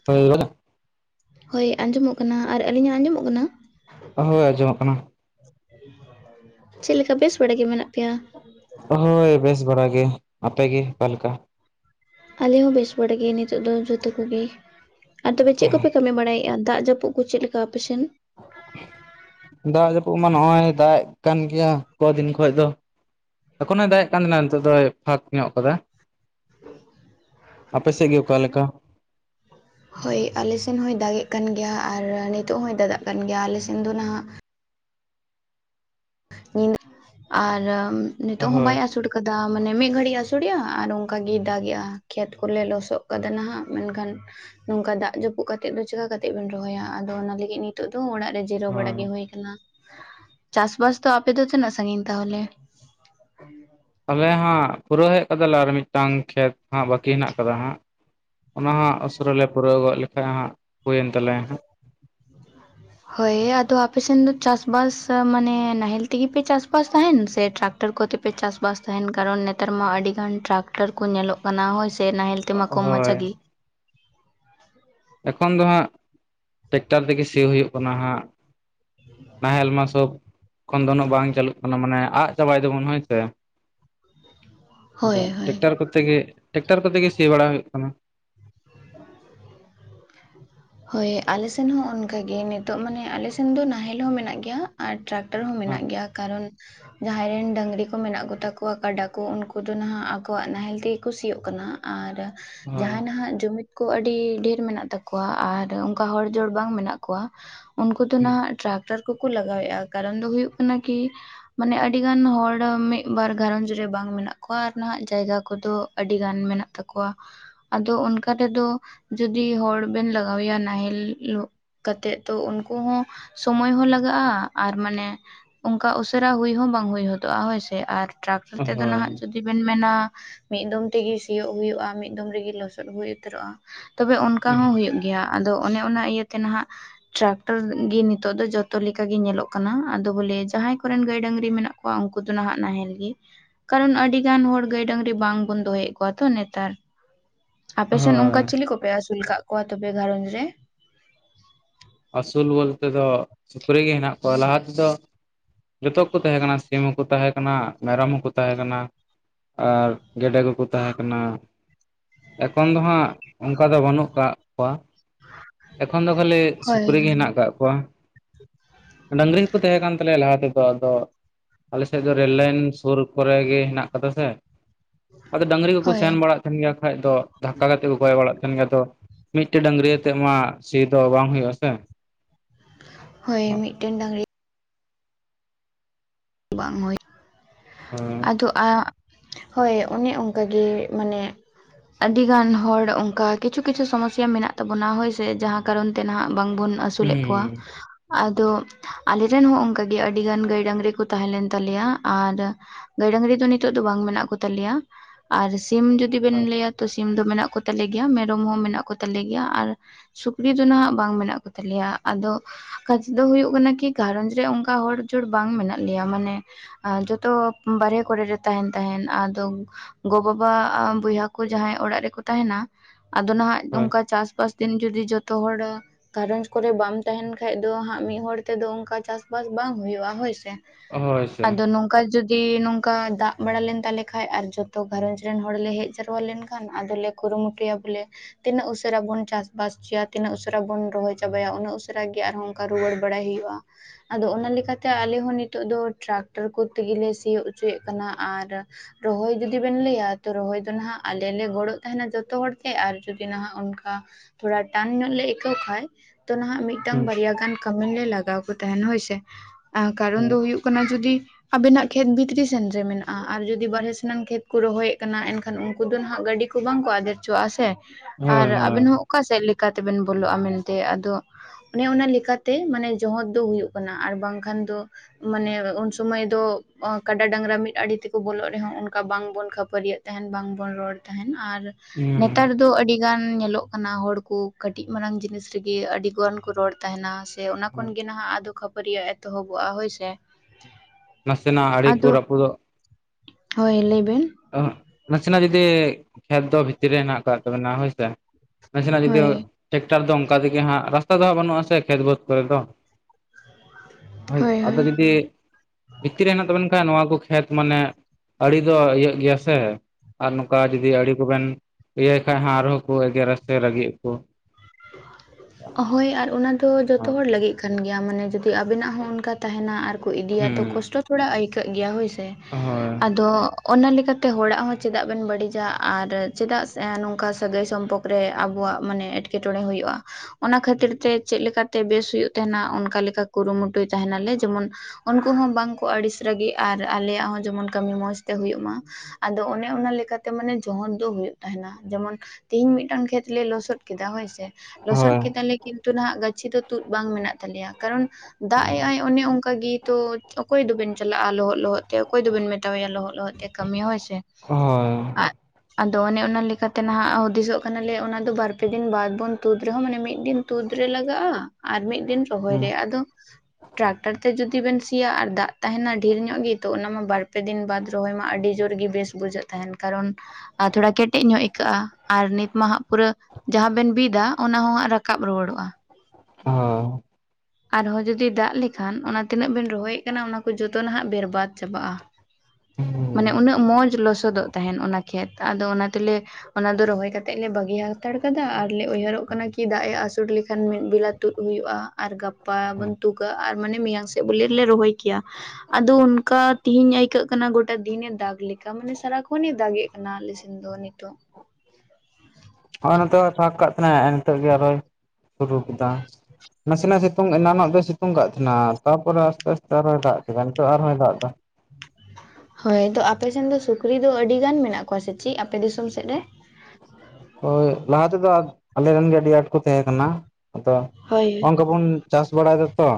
[unintelligible] ᱦᱳᱭ ᱟᱸᱡᱚᱢᱚᱜ ᱠᱟᱱᱟ ᱟᱨ ᱟᱹᱞᱤᱧᱟᱜ ᱟᱸᱡᱚᱢᱚᱜ ᱠᱟᱱᱟ? ᱦᱳᱭ ᱟᱸᱡᱚᱢᱚᱜ ᱠᱟᱱᱟ᱾ ᱪᱮᱫ ᱞᱮᱠᱟ ᱵᱮᱥ ᱵᱟᱲᱟ ᱜᱮ ᱢᱮᱱᱟᱜ ᱯᱮᱭᱟ? ᱦᱚᱭ ᱵᱮᱥ ᱵᱟᱲᱟ ᱜᱮ, ᱟᱯᱮ ᱜᱮ ᱚᱠᱟ ᱞᱮᱠᱟ? ᱟᱞᱮ ᱦᱚᱸ ᱵᱮᱥ ᱦᱚᱲ ᱜᱮ ᱱᱤᱛᱚᱜ ᱫᱚ ᱡᱚᱛᱚ ᱠᱚᱜᱮ, ᱟᱨ ᱛᱚᱵᱮ ᱪᱮᱫ ᱠᱚᱯᱮ ᱠᱟᱹᱢᱤ ᱵᱟᱲᱟᱭᱮᱫᱼᱟ ᱫᱟᱜ ᱡᱟᱹᱯᱩᱫ ᱠᱚ ᱪᱮᱫ ᱫᱚ ᱟᱯᱮ ᱥᱮᱱ? ᱫᱟᱜ ᱡᱟᱹᱯᱩᱫ ᱢᱟ ᱱᱚᱜᱼᱚᱭ ᱫᱟᱜ ᱮ ᱠᱟᱱ ᱜᱮᱭᱟ ᱠᱚᱫᱤᱱ ᱠᱷᱚᱡ ᱫᱚ ᱾ ᱮᱠᱷᱚᱱᱭ ᱫᱟᱜᱮᱜ ᱠᱟᱱ ᱛᱟᱦᱮᱱᱟ ᱱᱤᱛᱚᱜ ᱫᱚ ᱯᱷᱟᱸᱠ ᱧᱚᱜ ᱠᱟᱫᱟ ᱾ ᱟᱯᱮ ᱥᱮᱫ ᱜᱮ ᱚᱠᱟ ᱞᱮᱠᱟ? ᱦᱳᱭ ᱟᱞᱮ ᱥᱮᱱ ᱦᱚᱸᱭ ᱫᱟᱜ ᱮᱜ ᱠᱟᱱ ᱜᱮᱭᱟ ᱟᱨ ᱱᱤᱛᱚᱜ ᱦᱚᱸᱭ ᱫᱟᱫᱟᱜ ᱠᱟᱱ ᱜᱮᱭᱟ ᱟᱞᱮ ᱥᱮᱱ ᱫᱚ ᱱᱟᱦᱟᱜ᱾ ᱧᱤᱫᱟᱹ ᱟᱨ ᱱᱤᱛᱚᱜ ᱦᱚᱸ ᱦᱳᱭ ᱵᱟᱭ ᱟᱹᱥᱩᱲ ᱠᱟᱫᱟ ᱢᱟᱱᱮ ᱢᱤᱫ ᱜᱷᱟᱹᱲᱤᱡ ᱟᱹᱥᱩᱲᱮᱜᱼᱟ ᱟᱨ ᱚᱱᱝᱠᱟ ᱜᱮᱭ ᱫᱟᱜᱮᱜᱼᱟ ᱠᱷᱮᱛ ᱠᱚᱞᱮ ᱞᱚᱥᱚᱜ ᱠᱟᱫᱟ ᱱᱟᱦᱟᱜ, ᱢᱮᱱᱠᱷᱟᱱ ᱱᱚᱝᱠᱟ ᱫᱟᱜ ᱡᱟᱹᱯᱩᱫ ᱠᱟᱛᱮᱜ ᱫᱚ ᱪᱤᱠᱟ ᱠᱟᱛᱮᱜ ᱵᱮᱱ ᱨᱚᱦᱚᱭᱟ ᱟᱫᱚ ᱚᱱᱟ ᱞᱟᱹᱜᱤᱫ ᱱᱤᱛᱚᱜ ᱫᱚ ᱚᱲᱟᱜ ᱨᱮ ᱡᱤᱨᱟᱹᱣ ᱵᱟᱲᱟ ᱦᱳᱭ ᱜᱮ ᱦᱩᱭᱩ ᱟᱠᱟᱱᱟ, ᱪᱟᱥᱵᱟᱥ ᱫᱚ ᱟᱯᱮ ᱫᱚ ᱛᱤᱱᱟᱹᱜ ᱥᱟᱹᱜᱤᱧ ᱛᱟᱦᱚᱞᱮ? [unintelligible] ᱟᱞᱮ ᱦᱟᱸᱜ ᱯᱩᱨᱟᱹ ᱦᱮᱡ ᱠᱟᱫᱟᱞᱮ ᱟᱨ ᱢᱤᱫᱴᱟᱝ ᱠᱷᱮᱛ ᱦᱟᱸᱜ ᱵᱟᱹᱠᱤ ᱦᱮᱱᱟᱜ ᱟᱠᱟᱫᱟ ᱦᱟᱸᱜ ᱾ ᱚᱱᱟ ᱦᱟᱸᱜ ᱩᱥᱟᱹᱨᱟᱞᱮ ᱯᱩᱨᱟᱹᱣ ᱜᱚᱜᱫ ᱞᱮᱠᱷᱟᱡ ᱦᱟᱸᱜ ᱦᱩᱭᱮᱱ ᱛᱟᱞᱮᱭᱟ ᱦᱟᱸᱜ᱾ ᱦᱳᱭ ᱟᱫᱚ ᱟᱯᱮ ᱥᱮᱱ ᱫᱚ ᱪᱟᱥᱵᱟᱥ ᱢᱟᱱᱮ ᱱᱟᱦᱮᱞ ᱛᱮᱜᱮ ᱯᱮ ᱪᱟᱥ ᱵᱟᱥ ᱛᱟᱦᱮᱱ ᱥᱮ ᱴᱟᱠᱴᱟᱨ ᱴᱟᱠᱴᱟᱨ ᱠᱚᱛᱮ ᱯᱮ ᱪᱟᱥ ᱵᱟᱥ ᱛᱟᱦᱮᱱ ᱠᱟᱨᱚᱱ ᱱᱮᱛᱟᱨ ᱢᱟ ᱟᱹᱰᱤ ᱜᱟᱱ ᱴᱟᱠᱴᱚᱨ ᱠᱚ ᱧᱮᱞᱚᱜ ᱠᱟᱱᱟ ᱦᱚᱳᱭ ᱥᱮ ᱱᱟᱦᱮᱞ ᱛᱮᱢᱟ ᱠᱚᱢ ᱦᱳᱭ ᱢᱪᱷᱟ ᱜᱮ ᱾ ᱮᱠᱷᱚᱱ ᱫᱚ ᱦᱟᱸᱜ ᱴᱮᱠᱴᱟᱨ ᱛᱮᱜᱮ ᱥᱤ ᱦᱩᱭᱩᱜ ᱠᱟᱱᱟ ᱦᱟᱸᱜ ᱾ ᱱᱟᱦᱮᱞ ᱢᱟ ᱥᱚᱵ ᱠᱷᱚᱱ ᱫᱚ ᱱᱟᱹᱜ ᱵᱟᱝ ᱪᱟᱹᱞᱩᱜ ᱠᱟᱱᱟ ᱢᱟᱱᱮ ᱟᱜ ᱪᱟᱵᱟᱭ ᱫᱟᱵᱚᱱ ᱦᱳᱭᱥᱮ ᱾ ᱟᱫᱚ ᱦᱳᱭ ᱦᱳᱭ ᱴᱮᱠᱴᱟᱨ ᱠᱚᱛᱮ ᱜᱮ ᱴᱮᱠᱴᱟᱨ ᱠᱚᱛᱮ ᱜᱮ ᱥᱤ ᱵᱟᱲᱟ ᱦᱩᱭᱩᱜ ᱠᱟᱱᱟ᱾ ᱦᱳᱭ ᱟᱞᱮ ᱥᱮᱱ ᱦᱚᱸ ᱚᱱᱠᱟ ᱜᱮ ᱱᱤᱛᱚᱜ ᱢᱟᱱᱮ ᱟᱞᱮ ᱥᱮᱱ ᱫᱚ ᱱᱟᱦᱮᱞ ᱦᱚᱸ ᱢᱮᱱᱟᱜ ᱜᱮᱭᱟ ᱾ ᱟᱨ ᱴᱟᱠᱴᱚᱨ ᱦᱚᱸ ᱢᱮᱱᱟᱜ ᱜᱮᱭᱟ, ᱠᱟᱨᱚᱱ ᱡᱟᱦᱟᱸᱭ ᱨᱮᱱ ᱰᱟᱹᱝᱨᱤ ᱠᱚ ᱢᱮᱱᱟᱜ ᱠᱚᱛᱟ ᱠᱚᱣᱟ ᱠᱟᱰᱟ ᱠᱚ ᱩᱱᱠᱩ ᱫᱚ ᱱᱟᱦᱟᱜ ᱟᱠᱚᱣᱟᱜ ᱱᱟᱦᱮᱞ ᱛᱮᱜᱮ ᱠᱩ ᱥᱤᱭᱜ ᱠᱟᱱᱟ᱾ ᱟᱨ ᱦᱳᱭ ᱡᱟᱦᱟᱸᱭ ᱱᱟᱦᱟᱜ ᱡᱩᱢᱤᱫ ᱠᱚ ᱟᱹᱰᱤ ᱰᱷᱮᱨ ᱢᱮᱱᱟᱜ ᱛᱟᱠᱚᱣᱟ ᱟᱨ ᱚᱱᱠᱟ ᱦᱚᱲ ᱡᱚᱲ ᱵᱟᱝ ᱢᱮᱱᱟᱜ ᱠᱚᱣᱟ ᱩᱱᱠᱩ ᱫᱚ ᱱᱟᱜ ᱴᱟᱠ ᱴᱟᱠᱴᱟᱨ ᱠᱚᱠᱚ ᱞᱟᱜᱟᱣᱮᱟ ᱠᱟᱨᱚᱱ ᱫᱚ ᱦᱩᱭᱩᱜ ᱠᱟᱱᱟ ᱠᱤ ᱢᱟᱱᱮ ᱟᱹᱰᱤᱜᱟᱱ ᱦᱚᱲ ᱢᱤᱫᱵᱟᱨ ᱜᱷᱟᱨᱚᱸᱡᱽ ᱨᱮ ᱵᱟᱝ ᱢᱮᱱᱟᱜ ᱠᱚᱣᱟ, ᱟᱨ ᱱᱟᱦᱟᱜ ᱡᱟᱭᱜᱟ ᱠᱚᱫᱚ ᱟᱹᱰᱤ ᱜᱟᱱ ᱢᱮᱱᱟᱜ ᱛᱟᱠᱚᱣᱟ ᱟᱫᱚ ᱚᱱᱠᱟ ᱛᱮᱫᱚ ᱡᱩᱫᱤ ᱦᱚᱲ ᱵᱮᱱ ᱞᱟᱜ ᱞᱟᱜᱟᱣ ᱮᱭᱟ ᱱᱟᱦᱮᱞ ᱠᱟᱛᱮᱫ ᱛᱚ ᱩᱱᱠᱩ ᱦᱚᱸ ᱥᱚᱢᱚᱭ ᱦᱚᱸ ᱞᱟᱜᱟᱜᱼᱟ, ᱟᱨ ᱢᱟᱱᱮ ᱚᱱᱠᱟ ᱩᱥᱟᱹᱨᱟ ᱦᱩᱭ ᱦᱚᱸ ᱵᱟᱝ ᱦᱩᱭ ᱦᱚᱫᱚᱜᱼᱟ ᱦᱳᱭᱥ ᱟᱨ ᱴᱟᱠᱴᱟᱨ ᱛᱮᱫᱚ ᱦᱳᱭ ᱱᱟᱦᱟᱜ ᱡᱤ ᱡᱩᱫᱤ ᱵᱮᱱ ᱢᱮᱱᱟ ᱢᱤᱫ ᱫᱚᱢ ᱛᱮᱜᱮ ᱥᱤᱭᱳᱜ ᱦᱩᱭᱩᱜᱼᱟ ᱢᱤᱫ ᱫᱚᱢ ᱨᱮᱜᱮ ᱞᱚᱥᱚᱫ ᱦᱩᱭ ᱩᱛᱟᱹᱨᱚᱜᱼᱟ ᱾ ᱛᱚᱵᱮ ᱚᱱᱠᱟ ᱦᱚᱸ ᱦᱩᱭᱩᱜ ᱜᱮᱭᱟ ᱟᱫᱚ ᱚᱱᱮ ᱚᱱᱟ ᱤᱭᱟᱹᱛᱮ ᱱᱟᱦᱟᱜ ᱴᱟᱠᱴᱟᱨ ᱜᱮ ᱱᱤᱛᱚᱜ ᱫᱚ ᱡᱚᱛᱚ ᱞᱮᱠᱟ ᱜᱮ ᱧᱮᱞᱚᱜ ᱠᱟᱱᱟ ᱟᱫᱚ ᱵᱚᱞᱮ ᱡᱟᱦᱟᱸᱭ ᱠᱚᱨᱮᱱ ᱜᱟᱹᱭ ᱰᱟᱝᱨᱤ ᱢᱮᱱᱟᱜ ᱠᱚᱣᱟ ᱩᱱᱠᱩ ᱫᱚ ᱱᱟᱦᱟᱜ ᱱᱟᱦᱮᱞ ᱜᱮ᱾ ᱠᱟᱨᱚᱱ ᱟᱹᱰᱤ ᱜᱟᱱ ᱦᱚᱲ ᱜᱟᱹᱭ ᱰᱟᱹᱝᱨᱤ ᱵᱟᱝ ᱵᱚᱱ ᱫᱚᱦᱚᱭᱮᱫ ᱠᱚᱣᱟ ᱛᱚ ᱱᱮᱛᱟᱨ᱾ ᱟᱯᱮ ᱥᱮᱱ ᱚᱱᱠᱟ ᱦᱳᱭ ᱪᱤᱞᱤ ᱠᱚᱯᱮ ᱟᱹᱥᱩᱞ ᱟᱠᱟᱫ ᱠᱚᱣᱟ ᱛᱚᱵᱮ ᱜᱷᱟᱨᱚᱡᱽ ᱨᱮ? ᱟᱹᱥᱩᱞ ᱵᱚᱞᱛᱮ ᱫᱚ ᱥᱩᱠᱨᱤ ᱜᱮ ᱦᱮᱱᱟᱜ ᱠᱚᱣᱟ ᱞᱟᱦᱟ ᱛᱮᱫᱚ ᱡᱚᱛᱚ ᱜᱮᱠᱚ ᱛᱟᱦᱮᱸ ᱠᱟᱱᱟ ᱥᱤᱢ ᱦᱚᱸᱠᱚ ᱛᱟᱦᱮᱸ ᱠᱟᱱᱟ ᱢᱮᱨᱚᱢ ᱦᱚᱸᱠᱚ ᱛᱟᱦᱮᱸ ᱠᱟᱱᱟ, ᱟᱨ ᱜᱮᱰᱮ ᱠᱚᱠᱚ ᱛᱟᱦᱮᱸ ᱠᱟᱱᱟ ᱮᱠᱷᱚᱱ ᱫᱚ ᱦᱟᱸᱜ ᱚᱱᱠᱟ ᱫᱚ ᱵᱟᱹᱱᱩᱜ ᱠᱟᱜ ᱠᱚᱣᱟ᱾ ᱮᱠᱷᱚᱱ ᱫᱚ ᱠᱷᱟᱹᱞᱤ ᱦᱳᱭ [unintelligible] ᱠᱚᱣᱟ ᱰᱟᱹᱟᱝᱨᱤ ᱦᱚᱸᱠᱚ ᱛᱟᱦᱮᱸ ᱠᱟᱱ ᱛᱟᱞᱮᱭᱟ ᱞᱟᱦᱟ ᱛᱮᱫᱚ, ᱟᱫᱚ ᱟᱞᱮ ᱥᱮᱫ ᱫᱚ ᱨᱮᱞ ᱞᱟᱭᱤᱱ ᱥᱩᱨ ᱠᱚᱨᱮ ᱜᱮ ᱦᱮᱱᱟᱜ ᱟᱠᱟᱫᱟ ᱥᱮ- ᱟᱫᱚ ᱰᱟᱹᱝᱨᱤ ᱠᱚᱠᱚ ᱦᱳᱭ ᱥᱮᱱ ᱵᱟᱲᱟᱜ ᱛᱟᱦᱮᱱ ᱜᱮᱭᱟ ᱠᱷᱟ ᱫᱚ ᱫᱷᱟᱠᱟ ᱠᱟᱛᱮ ᱠᱚᱭ ᱵᱟᱲᱟᱜ ᱛᱟᱦᱮᱱ ᱜᱮᱭᱟ ᱟᱫᱚ- ᱢᱤᱫᱴᱮᱡ ᱰᱟᱝᱨᱤ ᱟᱛᱮᱫ ᱢᱟ ᱥᱤ ᱫᱚ ᱵᱟᱝ ᱦᱳᱭᱳ ᱟᱥᱮ- ᱦᱳᱭ ᱢᱤᱫᱴᱮᱱ ᱰᱟᱝᱨᱤ ᱵᱟᱝ ᱦᱩᱭ ᱟᱫᱚᱼᱟ ᱦᱳᱭ ᱚᱱᱮ ᱚᱱᱠᱟᱜᱮ ᱢᱟᱱᱮ- ᱟᱹᱰᱤ ᱜᱟᱱ ᱦᱚᱲ ᱚᱱᱠᱟ ᱠᱤᱪᱷᱩ ᱠᱤᱪᱷᱩ ᱥᱚᱢᱚᱥᱥᱟ ᱢᱮᱱᱟᱜ ᱛᱟᱵᱚᱱᱟ ᱦᱳᱭ ᱥᱮ ᱡᱟᱦᱟᱸ ᱠᱟᱨᱚᱱ ᱱᱟᱦᱟᱜ ᱵᱟᱝ ᱟᱥᱩᱞ ᱮᱫ ᱠᱚᱣᱟ ᱦᱩᱸ ᱟᱫᱚ ᱦᱚᱸ ᱚᱱᱠᱟ ᱜᱮ ᱟᱹᱰᱤ ᱜᱟᱱ ᱜᱟᱹᱭ ᱰᱟᱝᱨᱤ ᱛᱟᱦᱮᱸ ᱞᱮᱱ ᱛᱟᱞᱮᱭᱟ ᱟᱨ ᱜᱟᱹᱭ ᱰᱟᱝᱝᱨᱤ ᱫᱚ ᱱᱤᱛᱚᱜ ᱫᱚ ᱵᱟᱝ ᱢᱮᱱᱟᱜ ᱠᱚᱛᱟᱞᱮᱭᱟ ᱟᱨ ᱥᱤᱢ ᱡᱩᱫᱤ ᱡᱩᱫᱤ ᱵᱮᱱ ᱞᱟᱹᱭᱟ ᱛᱚ ᱥᱤᱢ ᱫᱚ ᱢᱮᱱᱟᱜ ᱠᱚᱛᱟᱞᱮ ᱜᱮᱭᱟ ᱢᱮᱨᱚᱢ ᱦᱚᱸ ᱢᱮᱱᱟᱜ ᱠᱚᱛᱟᱞᱮ ᱜᱮᱭᱟ ᱟᱨ ᱥᱩᱠᱨᱤ ᱫᱚ ᱦᱟᱜ ᱵᱟᱝ ᱢᱮᱱᱟᱜ ᱠᱚᱛᱟᱞᱮᱭᱟ ᱟᱫᱚ- ᱠᱟᱛᱷᱟ ᱫᱚ ᱦᱩᱭᱩᱜ ᱠᱤ ᱜᱷᱟᱷᱟᱨᱚᱸᱧᱡᱽ ᱨᱮ ᱦᱚᱲ ᱡᱳᱲ ᱵᱟᱝ ᱢᱮᱱᱟᱜ ᱞᱮᱭᱟ ᱢᱟᱱᱮ- ᱡᱚᱛᱚ ᱵᱟᱦᱨᱮ ᱠᱚᱨᱮᱨᱮ ᱛᱟᱦᱮᱱ ᱛᱟᱦᱮ ᱟᱫᱚ- ᱜᱚ ᱵᱟᱵᱟ ᱵᱚᱭᱦᱟᱠᱩ ᱡᱟᱦᱟᱸᱭ ᱚᱲᱟᱜ ᱨᱮᱠᱚ ᱛᱟᱦᱮᱱᱟ ᱟᱫᱚ ᱱᱟᱦᱟᱜ ᱦᱳᱭ ᱚᱱᱠᱟ ᱪᱟᱹᱥᱵᱟᱥ ᱫᱤᱱ ᱡᱩᱫᱤ ᱡᱚᱛᱚ ᱦᱚᱲᱟᱜ- ᱜᱷᱟᱨᱚᱸᱡᱽ ᱠᱚᱨᱮ ᱵᱟᱢ ᱛᱟᱦᱮᱱ ᱠᱷᱟᱡ ᱫᱚ ᱦᱟᱸᱜ ᱢᱤᱫ ᱦᱚᱲ ᱛᱮᱫᱚ ᱚᱱᱠᱟ ᱪᱟᱥᱵᱟᱥ ᱵᱟᱝ ᱦᱩᱭᱩᱜᱼᱟ ᱦᱳᱭᱥᱮ- ᱦᱳᱭ ᱥᱮ ᱟᱫᱚ ᱱᱚᱝᱠᱟ ᱡᱩᱫᱤ ᱡᱫᱤ ᱱᱚᱝᱠᱟ ᱫᱟᱜ ᱵᱟᱲᱟ ᱞᱮᱱ ᱛᱟᱞᱮ ᱠᱷᱟᱱ ᱟᱨ ᱡᱚᱛᱚ ᱜᱷᱟᱨᱚᱸᱧᱡᱽ ᱨᱮᱱ ᱦᱚᱲ ᱞᱮ ᱦᱮᱡ ᱡᱟᱨᱣᱟ ᱞᱮᱱᱠᱷᱟᱱ ᱟᱫᱚᱞᱮ- ᱜᱩᱨᱩ ᱢᱩᱴᱭᱟ ᱵᱚᱞᱮ- ᱛᱤᱱᱟᱹᱜ ᱩᱥᱟᱹᱨᱟ ᱵᱚᱱ ᱪᱟᱥᱵᱟᱥᱪᱚᱭᱟ ᱛᱤᱱᱟᱹᱜ ᱩᱥᱟᱹᱨᱟ ᱵᱚᱱ ᱨᱚᱦᱚᱭ ᱪᱟᱵᱟᱭᱟ ᱩᱱᱟᱹ ᱩᱥᱟᱹᱨᱟ ᱜᱮ ᱟᱨᱦᱚᱸ- ᱚᱱᱠᱟ ᱨᱩᱣᱟᱹᱲ ᱵᱟᱲᱟᱭ ᱦᱩᱭᱩᱜᱼᱟ ᱟᱫᱚ ᱚᱱᱟ ᱞᱮᱠᱟᱛᱮ ᱟᱞᱮ ᱦᱚᱸ ᱱᱤᱛᱚᱜ ᱫᱚ ᱴᱨᱟᱠᱴᱟᱨ ᱠᱚᱛᱮ ᱜᱮᱞᱮ ᱥᱤᱭᱳᱜ ᱚᱪᱚᱭᱮᱫ ᱠᱟᱱᱟ ᱟᱨ ᱨᱚᱦᱚᱭ ᱡᱩᱫᱤ ᱵᱮᱱ ᱞᱟᱹᱭᱟ ᱛᱚ ᱨᱚᱦᱚᱭ ᱫᱚ ᱱᱟᱦᱟᱜ ᱟᱞᱮ ᱞᱮ ᱜᱚᱲᱚᱜ ᱛᱟᱦᱮᱱᱟ ᱡᱚᱛᱚ ᱦᱚᱲᱛᱮ ᱟᱨ ᱡᱩᱫᱤ ᱱᱟᱦᱟᱜ ᱚᱱᱠᱟ᱾ ᱛᱷᱚᱲᱟ ᱴᱟᱱ ᱧᱚᱜ ᱞᱮ ᱮᱠᱟᱹᱣ ᱠᱷᱟᱭ- ᱛᱚ ᱱᱟᱦᱟᱜ ᱢᱤᱫᱴᱟᱝ ᱵᱟᱨᱭᱟ ᱜᱟᱱ ᱠᱟᱹᱢᱤᱱ ᱞᱮ ᱞᱟᱜᱟᱣ ᱠᱚ ᱛᱟᱦᱮᱱᱟ ᱦᱳᱭᱥᱮ ᱛᱳ ᱦᱩᱭᱩᱜ ᱠᱟᱱᱟ ᱡᱩᱫᱤ ᱟᱵᱮᱱᱟᱜ ᱠᱷᱮᱛ ᱵᱷᱤᱛᱨᱤ ᱥᱮᱱ ᱨᱮ ᱢᱮᱱᱟᱜᱼᱟ ᱟᱨ ᱡᱩᱫᱤ ᱵᱟᱨᱦᱨᱮ ᱥᱮᱱᱟᱜ ᱠᱷᱮᱛ ᱠᱚ ᱨᱚᱦᱚᱭᱮᱫ ᱠᱟᱱᱟ ᱮᱱᱠᱷᱟᱱ ᱩᱱᱠᱩ ᱫᱚ ᱱᱟᱦᱟᱜ ᱜᱟᱹᱰᱤ ᱵᱟᱝ ᱠᱚ ᱟᱫᱮᱨ ᱦᱚᱪᱚᱣᱟᱜᱼᱟ ᱥᱮ ᱟᱨ ᱦᱳᱭ ᱦᱳᱭ ᱟᱵᱮᱱ ᱦᱚᱸ ᱚᱠᱟ ᱥᱮᱫ ᱛᱮᱵᱮᱱ ᱵᱚᱞᱚᱜᱼᱟ ᱢᱮᱱᱛᱮ ᱟᱫᱚ ᱚᱱᱮ ᱚᱱᱟ ᱞᱮᱠᱟᱛᱮ ᱢᱟᱱᱮ ᱡᱚᱦᱚᱫ ᱫᱚ ᱦᱩᱭᱩᱜ ᱠᱟᱱᱟ ᱟᱨ ᱵᱟᱝᱠᱷᱟᱱ ᱫᱚ ᱢᱟᱱᱮ ᱩᱱᱥᱩᱚᱢᱟᱹᱭ ᱫᱚ ᱠᱟᱰᱟ ᱢᱤᱫ ᱟᱲᱮ ᱛᱮᱠᱚ ᱵᱚᱞᱚᱜ ᱨᱮᱦᱚᱸ ᱚᱱᱠᱟ ᱠᱷᱟᱹᱯᱟᱹᱨᱤᱭᱮᱫ- ᱛᱟᱸᱦᱮᱱ ᱵᱟᱝᱵᱚᱱ ᱨᱚᱲ ᱛᱟᱸᱦᱮᱱ ᱟᱨ ᱦᱩᱸ ᱱᱮᱛᱟᱨ ᱫᱚ ᱟᱹᱰᱤ- ᱟᱹᱰᱤ ᱜᱟᱱ ᱧᱮᱞᱚᱜ ᱠᱟᱱᱟ ᱦᱚᱲ ᱠᱚ ᱠᱟᱹᱴᱤᱡ ᱢᱟᱨᱟᱝ ᱡᱤᱱᱤᱥ ᱨᱮᱜᱮ ᱟᱹᱰᱤᱜᱟᱱ ᱠᱚ ᱨᱚᱲ [unintelligible] ᱛᱟᱸᱦᱮᱱᱟ ᱥᱮ ᱚᱱᱟ ᱠᱷᱚᱱ ᱜᱮ ᱱᱟᱦᱟᱜ ᱟᱫᱚ ᱠᱷᱟᱹᱯᱟᱹᱨᱤᱭᱟᱜ ᱮᱛᱚᱦᱚᱵᱚᱜᱼᱟ ᱦᱳᱭᱥᱮ ᱾ ᱱᱟᱥᱮᱱᱟᱜ ᱟᱹᱲᱮ ᱠᱚ ᱨᱟᱹᱯᱩᱫᱚᱜ ᱦᱳᱭ ᱞᱟᱹᱭ ᱵᱮᱱ ᱱᱟᱥᱮᱱᱟᱜ ᱡᱩᱫᱤ ᱠᱷᱮᱛ ᱫᱚ ᱵᱷᱤᱛᱤᱨ ᱨᱮ ᱦᱮᱱᱟᱜ ᱠᱟᱜ ᱛᱟᱵᱤᱱᱟ ᱦᱳᱭᱥᱮ- ᱱᱟᱥᱮᱱᱟᱜ ᱡᱩᱫᱤ ᱦᱳᱭ ᱴᱮᱠᱴᱟᱨ ᱫᱚ ᱚᱱᱠᱟ ᱛᱮᱜᱮ ᱦᱟᱸᱜ ᱨᱟᱥᱛᱟ ᱫᱚ ᱦᱟᱸᱜ ᱵᱟᱹᱱᱩᱜ ᱟᱥᱮ ᱾ ᱠᱷᱮᱛ ᱵᱟᱹᱛ ᱠᱚᱨᱮ ᱫᱚ ᱦᱳᱭ ᱦᱳᱭ ᱟᱫᱚ ᱡᱩᱫᱤ- ᱵᱷᱤᱛᱤᱨ ᱨᱮ ᱦᱮᱱᱟᱜ ᱛᱟᱹᱵᱮᱱ ᱠᱷᱟᱡ ᱱᱚᱣᱟ ᱠᱚ ᱠᱷᱮᱛ ᱢᱟᱱᱮ ᱟᱹᱲᱤ ᱫᱚ ᱤᱭᱟᱹᱜ ᱜᱮᱭᱟ ᱥᱮ - ᱟᱨ ᱱᱚᱝᱠᱟ ᱡᱩᱫᱤ ᱟᱹᱲᱤ ᱠᱚᱵᱮᱱ ᱤᱭᱟᱹᱭ ᱠᱷᱟᱜ ᱟᱨᱦᱚᱸ ᱠᱚ ᱮᱜᱮᱨᱟ ᱥᱮ ᱨᱟᱹᱜᱤᱜ ᱟᱠᱚ ᱾ ᱦᱳᱭ ᱟᱨ ᱚᱱᱟ ᱫᱚ ᱡᱚᱛᱚ ᱦᱮᱸ ᱦᱚᱲ ᱞᱟᱹᱜᱤᱫ ᱠᱟᱱ ᱜᱮᱭᱟ ᱢᱟᱱᱮ ᱡᱩᱫᱤ ᱟᱵᱤᱱᱟᱜ ᱦᱚᱸ ᱚᱱᱠᱟ ᱛᱟᱸᱦᱮᱱᱟ ᱟᱨ ᱠᱚ ᱤᱫᱤᱭᱟ ᱦᱩᱸ ᱛᱚ ᱠᱚᱥᱴᱚ ᱛᱷᱚᱲᱟ ᱟᱹᱭᱠᱟᱹᱜ ᱜᱮᱭᱟ ᱦᱳᱭᱥᱮ ᱦᱳᱭ ᱟᱫᱚ ᱚᱱᱟ ᱞᱮᱠᱟᱛᱮ ᱦᱚᱲᱟᱜ ᱦᱚᱸ ᱪᱮᱫᱟᱜ ᱵᱮᱱ ᱵᱟᱹᱲᱤᱡᱟ ᱟᱨ ᱪᱮᱫᱟᱜ ᱥᱮ ᱱᱚᱝᱠᱟ ᱥᱟᱹᱜᱟᱹᱭ ᱥᱚᱢᱯᱚᱨᱠ- ᱨᱮ ᱟᱵᱚᱣᱟᱜ ᱢᱟᱱᱮ ᱮᱸᱴᱠᱮᱴᱚᱬᱮ ᱦᱩᱭᱩᱜᱼᱟ ᱚᱱᱟ ᱠᱷᱟᱹᱛᱤᱨ ᱛᱮ- ᱪᱮᱫ ᱞᱮᱠᱟᱛᱮ ᱵᱮᱥ ᱦᱩᱭᱩᱜ ᱛᱟᱸᱦᱮᱱᱟ ᱚᱱᱠᱟ ᱞᱮᱠᱟ ᱠᱩᱨᱩᱢᱩᱴᱩᱭ ᱛᱟᱸᱦᱮᱱᱟᱞᱮ ᱡᱮᱢᱚᱱ- ᱩᱱᱠᱩ ᱦᱚᱸ ᱵᱟᱝᱠᱚ ᱟᱹᱲᱤᱥ ᱨᱟᱹᱜᱤᱜ ᱟᱨ ᱟᱞᱮᱭᱟᱜ ᱦᱚᱸ ᱡᱮᱢᱚᱱ ᱠᱟᱹᱢᱤ ᱢᱚᱸᱡᱽ ᱛᱮ ᱦᱩᱭᱩᱜ ᱢᱟ ᱾ ᱟᱫᱚ ᱚᱱᱮ ᱚᱱᱟ ᱞᱮᱠᱟᱛᱮ ᱢᱟᱱᱮ ᱡᱚᱦᱚᱨ ᱫᱚ ᱦᱩᱭᱩᱜ ᱛᱟᱸᱦᱮᱱᱟ ᱡᱮᱢᱚᱱ ᱛᱮᱦᱤᱧ ᱢᱤᱫᱴᱟᱝ ᱠᱷᱮᱛ ᱞᱮ ᱞᱚᱥᱚᱫ ᱠᱮᱫᱟ ᱦᱳᱭ ᱥᱮ ᱞᱚᱥᱚᱫ ᱦᱳᱭ ᱠᱮᱫᱟᱞᱮ ᱠᱤᱱᱛᱩ ᱱᱟᱦᱟᱜ ᱜᱟᱹᱪᱷᱤ ᱫᱚ ᱛᱩᱫ ᱵᱟᱝ ᱢᱮᱱᱟᱜ ᱛᱟᱞᱮᱭᱟ ᱠᱟᱨᱚᱱ ᱫᱟᱜ ᱮᱜᱼᱟᱭ ᱚᱱᱮ ᱚᱱᱠᱟᱜᱮ ᱛᱚ ᱚᱠᱚᱭ ᱫᱚᱵᱮᱱ ᱪᱟᱞᱟᱜᱼᱟ ᱞᱚᱦᱚᱫ ᱞᱚᱦᱚᱫ ᱛᱮ ᱚᱠᱚᱭ ᱫᱚᱵᱮᱱ ᱢᱮᱛᱟᱣ ᱟᱭᱟ ᱞᱚᱦᱚᱫ ᱞᱚᱦᱚᱫ ᱛᱮ ᱾ ᱠᱟᱹᱢᱤ ᱦᱳᱭ ᱥᱮ ᱾ ᱦᱳᱭ᱾ ᱟᱜ ᱟᱫᱚ ᱚᱱᱮ ᱚᱱᱟ ᱞᱮᱠᱟᱛᱮ ᱱᱟᱦᱟᱜ ᱦᱩᱫᱤᱥᱚᱜ ᱠᱟᱱᱟᱞᱮ ᱚᱱᱟ ᱫᱚ ᱵᱟᱨ ᱡᱮᱫᱤᱱ ᱵᱟᱨ ᱵᱚᱱ ᱛᱩᱫ ᱨᱮᱦᱚᱸ ᱢᱟᱱᱮ ᱢᱤᱫ ᱫᱤᱱ ᱛᱩᱫ ᱨᱮ ᱞᱟᱜᱟᱜᱼᱟ ᱟᱨ ᱢᱤᱫ ᱫᱤᱱ ᱨᱚᱦᱚᱭ ᱦᱩᱸ ᱨᱮ ᱟᱫᱚ ᱴᱨᱟᱠᱴᱟᱨ ᱛᱮ ᱡᱩᱫᱤ ᱵᱮᱱ ᱥᱤᱭᱟ ᱟᱨ ᱫᱟᱜ ᱛᱟᱦᱮᱱᱟ ᱰᱷᱮᱨ ᱧᱚᱜ ᱜᱮ ᱛᱚ ᱚᱱᱟᱢᱟ ᱵᱟᱨ ᱯᱮ ᱫᱤᱱ ᱵᱟᱫ ᱨᱚᱦᱚᱭ ᱢᱟ ᱟᱹᱰᱤ ᱡᱳᱨᱜᱮ ᱵᱮᱥ ᱵᱩᱡᱷᱟᱹᱜ ᱛᱟᱦᱮᱱ ᱠᱟᱨᱚᱱ ᱟᱨ ᱛᱷᱚᱲᱟ ᱠᱮᱴᱮᱡ ᱧᱚᱜ ᱟᱹᱭᱠᱟᱹᱜᱼᱟ ᱟᱨ ᱱᱤᱛᱢᱟ ᱦᱟᱸᱜ ᱯᱩᱨᱟᱹ ᱡᱟᱦᱟᱸ ᱵᱮᱱ ᱵᱤᱫᱟ ᱚᱱᱟ ᱦᱚᱸ ᱦᱟᱸᱜ ᱨᱟᱠᱟᱵ ᱨᱩᱣᱟᱹᱲᱚᱜᱼᱟ ᱾ ᱚ ᱟᱨᱦᱚᱸ ᱡᱩᱫᱤ ᱫᱟᱜ ᱞᱮᱠᱷᱟᱱ ᱚᱱᱟ ᱛᱤᱱᱟᱹᱜ ᱵᱮᱱ ᱨᱚᱦᱚᱭᱮᱫ ᱠᱟᱱᱟ ᱚᱱᱟ ᱠᱚ ᱡᱚᱛᱚ ᱱᱟᱦᱟᱜ ᱵᱮᱨᱵᱟᱫᱽ ᱪᱟᱵᱟᱜᱼᱟ ᱾ ᱢᱟᱱᱮ ᱩᱱᱟᱹᱜ ᱢᱚᱡᱽ ᱞᱚᱥᱚᱫᱚᱜ ᱛᱟᱸᱦᱮᱱ ᱚᱱᱟ ᱠᱷᱮᱛ ᱟᱫᱚ ᱚᱱᱟ ᱛᱮᱞᱮ ᱚᱱᱟ ᱫᱚ ᱨᱚᱦᱚᱭ ᱠᱟᱛᱮᱫ ᱞᱮ ᱵᱟᱹᱜᱤ ᱦᱟᱛᱟᱲ ᱠᱟᱫᱟ ᱟᱨ ᱞᱮ ᱩᱭᱦᱟᱹᱨᱚᱜ ᱠᱟᱱᱟ ᱠᱤ ᱫᱟᱜ ᱮ ᱟᱹᱥᱩᱲ ᱞᱮᱠᱷᱟᱱ ᱢᱤᱫ ᱵᱮᱞᱟ᱾ ᱛᱩᱫ ᱦᱩᱭᱩᱜ-ᱟ ᱟᱨ ᱜᱟᱯᱟ ᱵᱚᱱ ᱛᱩᱫᱟ ᱢᱟᱱᱮ ᱢᱮᱭᱟᱝ ᱥᱮᱫ ᱵᱚᱞᱮ ᱞᱮ ᱨᱚᱦᱚᱭ ᱠᱮᱭᱟ ᱾ ᱟᱫᱚ ᱚᱱᱠᱟ ᱛᱮᱦᱤᱧ ᱟᱹᱭᱠᱟᱹᱜ ᱠᱟᱱᱟ ᱜᱚᱴᱟ ᱫᱤᱱᱮ ᱫᱟᱜᱽ ᱞᱮᱠᱟ ᱢᱟᱱᱮ ᱥᱟᱨᱟᱠᱷᱚᱱᱮ ᱫᱟᱜ ᱮᱫ ᱠᱟᱱᱟ ᱟᱞᱮᱥᱮᱫ ᱾ ᱟᱫᱚ ᱱᱤᱛᱟᱹᱜ ᱦᱸᱚᱜᱼᱚᱭ ᱱᱚᱛᱮ ᱦᱚᱸ ᱯᱷᱟᱸᱠ ᱠᱟᱜ ᱛᱟᱦᱮᱸᱱᱟ ᱱᱤᱛᱟᱹᱜ ᱜᱮ ᱟᱨᱚᱭ ᱥᱩᱨᱩ ᱠᱮᱫᱟ ᱱᱟᱥᱮ ᱱᱟᱥᱮ ᱥᱤᱛᱩᱝ ᱮᱱᱟᱱᱚᱜ ᱫᱚᱭ ᱥᱤᱛᱩᱝ ᱠᱟᱜ ᱛᱟᱸᱦᱮᱱᱟ ᱛᱟᱯᱚᱨᱮ ᱟᱥᱛᱮ ᱟᱥᱛᱮ ᱟᱨᱦᱚᱸᱭ ᱫᱟᱜ ᱠᱮᱫᱟ ᱱᱤᱛᱟᱹᱜ ᱟᱨᱦᱚᱸᱭ ᱫᱟᱜ ᱫᱟ ᱾ ᱦᱳᱭ ᱫᱚ ᱟᱯᱮᱥᱮᱱ ᱫᱚ ᱥᱩᱠᱨᱤ ᱫᱚ ᱟᱹᱰᱤ ᱜᱟᱱ ᱢᱮᱱᱟᱜ ᱠᱚᱣᱟ ᱥᱮ ᱪᱮᱫ ᱟᱯᱮ ᱫᱤᱥᱟᱹᱢ ᱥᱮᱫ ᱨᱮ? ᱦᱳᱭ ᱞᱟᱦᱟ ᱛᱮᱫᱚ ᱟᱞᱮᱨᱮᱱ ᱜᱮ ᱟᱹᱰᱤ ᱟᱸᱴ ᱠᱚ ᱛᱟᱦᱮᱸ ᱠᱟᱱᱟ ᱟᱫᱚ ᱦᱳᱭ ᱱᱚᱜᱠᱟᱵᱚᱱ ᱪᱟᱥ ᱵᱟᱲᱟᱭ ᱫᱟᱛᱚ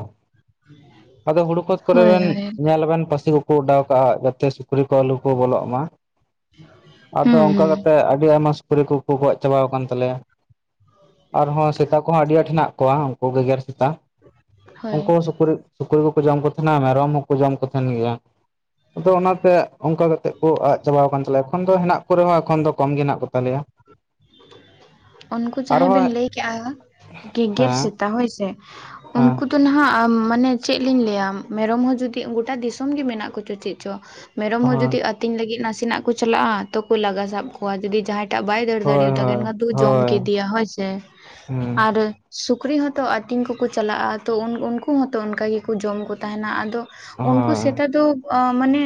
ᱟᱫᱚ ᱦᱩᱲᱩ ᱠᱷᱚᱛ ᱠᱚᱨᱮ ᱦᱳᱭ ᱵᱮᱱ ᱦᱳᱭ᱾ ᱧᱮᱞᱵᱮᱱ ᱯᱟᱹᱥᱤ ᱠᱚ ᱠᱚ ᱚᱰᱟᱣ ᱠᱟᱜᱼᱟ ᱡᱟᱛᱮ ᱥᱩᱠᱨᱤ ᱠᱚ ᱟᱞᱚ ᱠᱚ ᱵᱚᱞᱚᱜ ᱢᱟ ᱾ ᱟᱫᱚ ᱦᱩᱸ ᱚᱱᱠᱟ ᱦᱩᱸ᱾ ᱠᱟᱛᱮᱜ ᱟᱹᱰᱤ ᱟᱭᱢᱟ ᱥᱩᱠᱨᱤ ᱠᱚᱠᱚ ᱜᱚᱡ ᱪᱟᱵᱟᱣᱟ ᱠᱟᱱ ᱛᱟᱞᱮᱭᱟ ᱟᱨᱦᱚᱸ ᱥᱮᱛᱟ ᱠᱚᱦᱚᱸ ᱟᱹᱰᱤ ᱟᱸᱴ ᱦᱮᱱᱟᱜ ᱠᱚᱣᱟ ᱩᱱᱠᱩ ᱜᱮᱜᱮᱨ ᱥᱮᱛᱟ ᱾ ᱩᱱᱠᱩ ᱦᱳᱭ ᱦᱚᱸ ᱥᱩᱠᱨᱤ ᱥᱩᱠᱨᱤ ᱠᱚᱠᱚ ᱡᱚᱢ ᱠᱚ ᱛᱟᱸᱦᱮᱱᱟ ᱢᱮᱨᱚᱢ ᱦᱚᱸᱠᱚ ᱡᱚᱢ ᱠᱚ ᱛᱟᱸᱦᱮᱱ ᱜᱮᱭᱟ ᱾ ᱟᱫᱚ ᱚᱱᱟᱛᱮ ᱚᱱᱠᱟ ᱠᱟᱛᱮᱜ ᱠᱚ ᱟᱜ ᱪᱟᱵᱟ ᱠᱟᱱ ᱛᱟᱞᱮᱭᱟ ᱮᱠᱷᱚᱱ ᱫᱚ ᱦᱮᱱᱟᱜ ᱠᱚ ᱨᱮᱦᱚᱸ ᱮᱠᱷᱚᱱ ᱫᱚ ᱠᱚᱢ ᱜᱮ ᱦᱮᱱᱟᱜ ᱠᱚ ᱛᱟᱞᱮᱭᱟ ᱾ ᱩᱱᱠᱩ ᱡᱟᱦᱟᱸᱭ ᱟᱨᱦᱚᱸ ᱵᱤᱱ ᱞᱟᱹᱭ ᱠᱮᱜᱼᱟ ᱜᱮ-ᱜᱮᱨ ᱦᱮᱸ ᱥᱮᱛᱟ ᱦᱳᱭᱥᱮ ᱦᱮᱸ ᱩᱱᱠᱩ ᱛᱳ ᱱᱟᱦᱟᱜ ᱢᱟᱱᱮ ᱪᱮᱫ ᱞᱤᱧ ᱞᱟᱹᱭᱟ ᱢᱮᱨᱚᱢ ᱦᱚᱸ ᱡᱩᱫᱤ ᱜᱳᱴᱟ ᱫᱤᱥᱟᱹᱢ ᱜᱮ ᱢᱮᱱᱟᱜ ᱠᱚᱪᱚ ᱪᱮᱜ ᱪᱚ? ᱢᱮᱨᱚᱢ ᱦᱚᱸ ᱡᱩᱫᱤ ᱟᱹᱛᱤᱧ ᱞᱟᱹᱜᱤᱫ ᱱᱟᱥᱮᱱᱟᱜ ᱠᱚ ᱪᱟᱞᱟᱜᱼᱟ ᱛᱚᱠᱚ ᱞᱟᱜᱟ ᱥᱟᱵ ᱠᱚᱣᱟ ᱡᱩᱫᱤ ᱡᱟᱦᱟᱸᱭ ᱴᱟᱜ ᱵᱟᱭ ᱫᱟᱹᱲ ᱦᱳᱭ ᱫᱟᱲᱮᱭᱟ᱾ ᱦᱳᱭ ᱛᱚᱠᱮᱱᱠᱟ ᱫᱩ ᱡᱚᱢ ᱦᱳᱭ ᱠᱮᱫᱮᱭᱟ ᱦᱳᱭ ᱥᱮ ᱾ ᱦᱩᱸ ᱟᱨ ᱥᱩᱠᱨᱤ ᱦᱚᱸᱛᱚ ᱟᱹᱛᱤᱧ ᱠᱚᱠᱚ ᱪᱟᱞᱟᱜᱼᱟ ᱛᱚ ᱩᱱ ᱩᱱᱠᱩ ᱦᱚᱸᱛᱚ ᱚᱱᱠᱟ ᱜᱮ᱾ ᱠᱚ ᱡᱚᱢ ᱠᱚ ᱛᱟᱦᱮᱱᱟ ᱟᱫᱚ ᱩᱱᱠᱩ ᱦᱳᱭ ᱥᱮᱛᱟ ᱫᱚ ᱚᱸ ᱢᱟᱱᱮ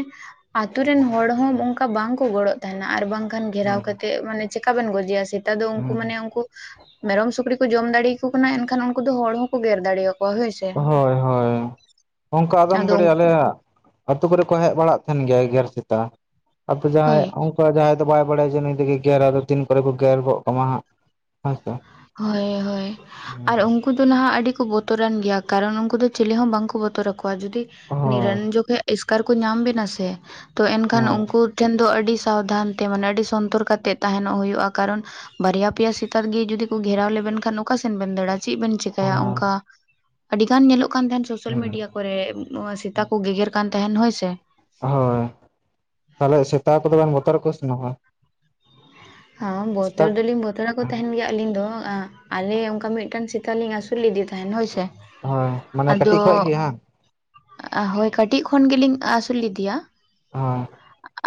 ᱟᱛᱳ ᱨᱮᱱ ᱦᱚᱲ ᱦᱚᱸ ᱚᱱᱠᱟ ᱵᱟᱝᱠᱚ ᱜᱚᱲᱚᱜ ᱛᱟᱦᱮᱱᱟ ᱟᱨ ᱵᱟᱝᱠᱷᱟᱱ ᱜᱷᱮᱨᱟᱣ ᱠᱟᱛᱮ ᱢᱟᱱᱮ ᱪᱮᱠᱟ ᱵᱮᱱ ᱜᱚᱡᱮᱭᱟ ᱥᱮ ᱥᱮᱛᱟ ᱫᱚ ᱩᱱᱠᱩ ᱦᱩᱸ ᱢᱟᱱᱮ ᱩᱱᱠᱩ ᱢᱮᱨᱚᱢ ᱥᱩᱠᱨᱤ ᱠᱚ ᱡᱚᱢ ᱫᱟᱲᱮᱭᱟᱠᱚ ᱠᱟᱱᱟ ᱮᱱᱠᱷᱟᱱ ᱩᱱᱠᱩ ᱫᱚ ᱦᱚᱲ ᱦᱚᱸᱠᱚ ᱜᱮᱨ ᱫᱟᱲᱮᱭᱟᱠᱚ᱾ ᱦᱳᱭ ᱦᱳᱭ ᱚᱱᱠᱟ ᱟᱫᱚᱢ ᱟᱫᱚ ᱜᱷᱟᱹᱲᱤ ᱩᱱᱠᱩ ᱟᱞᱮᱭᱟᱜ ᱟᱹᱛᱩ ᱠᱚᱨᱮ ᱠᱚ ᱦᱮᱡ ᱵᱟᱲᱟᱜ ᱛᱟᱦᱮᱱ ᱜᱮᱭᱟ ᱜᱮᱨ ᱥᱮᱛᱟ ᱟᱫᱚ ᱡᱟᱦᱟᱸᱭ ᱦᱳᱭ ᱚᱱᱠᱟ ᱡᱟᱦᱟᱸᱭ᱾ ᱫᱚ ᱵᱟᱭ ᱵᱟᱲᱟᱭᱟ ᱡᱮ ᱱᱩᱭᱫᱚ ᱜᱮᱜᱮᱨ ᱟᱭ ᱟᱫᱚ ᱛᱤᱱ ᱠᱚᱨᱮ ᱠᱚ ᱜᱮᱨ ᱜᱚᱜ ᱠᱟᱢᱟ ᱦᱟᱸᱜ᱾ ᱦᱳᱭ ᱥᱮ ᱾ ᱦᱳᱭ ᱦᱳᱭ ᱟᱨ ᱩᱱᱠᱩ ᱤᱱᱠᱩ ᱫᱚ ᱱᱟᱦᱟᱜ ᱟᱹᱰᱤ ᱠᱚ ᱵᱚᱛᱚᱨᱟᱱ ᱜᱮᱭᱟ ᱠᱟᱨᱚᱱ ᱩᱱᱠᱩ ᱫᱚ ᱪᱤᱞᱤ ᱦᱚᱸ ᱵᱟᱝᱠᱚ ᱵᱚᱛᱚᱨ ᱟᱠᱚ ᱠᱚᱣᱟ ᱡᱩᱫᱤ ᱦᱳᱭ ᱱᱤᱨᱚᱱ ᱡᱚᱠᱷᱮᱡ ᱮᱥᱠᱟᱨ ᱠᱚ ᱧᱟᱢ ᱵᱮᱱᱟ ᱥᱮ ᱛᱚ ᱮᱱᱠᱷᱟᱱ ᱦᱳᱭ ᱩᱱᱠᱩ ᱴᱷᱮᱱ ᱫᱚ ᱟᱹᱰᱤ ᱥᱟᱵᱫᱷᱟᱱ ᱛᱮ ᱢᱟᱱᱮ ᱟᱹᱰᱤ ᱥᱚᱱᱛᱚᱨ ᱠᱟᱛᱮᱫ ᱛᱟᱦᱮᱱᱚᱜ ᱦᱩᱭᱩᱜᱼᱟ ᱠᱟᱨᱚᱱ ᱵᱟᱨᱭᱟ ᱯᱮᱭᱟ ᱥᱮᱛᱟ ᱜᱤ ᱡᱩᱫᱤ ᱜᱷᱮᱨᱟᱣ ᱞᱮᱵᱮᱱ ᱠᱷᱟᱱ ᱚᱠᱟ ᱥᱮᱱ ᱵᱮᱱ ᱫᱟᱹᱲᱟ ᱪᱮᱫ ᱵᱮᱱ ᱪᱮᱠᱟᱭᱟ ᱦᱳᱭ ᱚᱱᱠᱟ ᱟᱹᱰᱤ ᱜᱟᱱ ᱧᱮᱞᱚᱜ ᱠᱟᱱ ᱛᱟᱦᱮᱱ ᱥᱳᱞ ᱢᱤᱰᱤᱭᱟ ᱠᱚᱨᱮᱜ ᱱᱚᱣᱟ ᱥᱮᱛᱟ ᱠᱚ ᱜᱮᱜᱮᱨ ᱠᱟᱱ ᱛᱟᱦᱮᱱ ᱦᱳᱭ ᱥᱮ ᱦᱚᱭ ᱛᱟᱦᱚᱞᱮ ᱥᱮᱛᱟ ᱠᱚᱫᱚ ᱵᱤᱱ ᱵᱚᱛᱚᱨ ᱟᱠ ᱠᱚ ᱥᱮ [unintelligible] ᱦᱟᱸ ᱥᱮᱛᱟ ᱵᱚᱛᱚᱨ ᱫᱚᱞᱤᱧ ᱵᱚᱛᱨᱟᱠᱚ ᱛᱟᱦᱮᱱ ᱜᱮᱭᱟ᱾ ᱟᱹᱞᱤᱧ ᱫᱚ ᱟᱞᱮ ᱚᱱᱠᱟ ᱢᱤᱫᱴᱟᱝ ᱥᱮᱛᱟ ᱞᱤᱧ ᱟᱹᱥᱩᱞ ᱞᱮᱫᱮ ᱛᱟᱦᱮᱸᱱ ᱦᱳᱭᱥᱮ᱾ ᱦᱚᱸ ᱢᱟᱱᱮ ᱠᱟᱹᱴᱤᱡ ᱠᱷᱚᱡ ᱜᱮ [unintelligible] ᱦᱳᱭ ᱠᱟᱹᱴᱤᱡ ᱠᱷᱚᱱ ᱜᱮᱞᱤᱧ ᱟᱹᱥᱩᱞ ᱞᱮᱫᱮᱭᱟ ᱦᱟᱸ